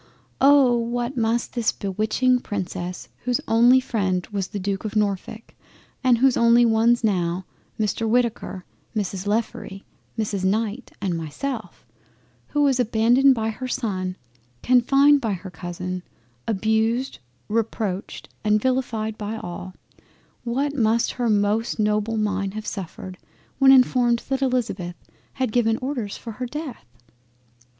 Oh! what must this bewitching Princess whose only freind was then the Duke of Norfolk, and whose only ones now Mr Whitaker, Mrs Lefroy, Mrs Knight and myself, who was abandoned by her son, confined by her Cousin, abused, reproached and vilified by all, what must not her most noble mind have suffered when informed that Elizabeth had given orders for her Death!